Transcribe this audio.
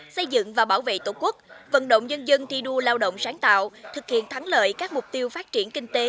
xây dựng và bảo vệ tổ quốc vận động nhân dân thi đua lao động sáng tạo thực hiện thắng lợi các mục tiêu phát triển kinh tế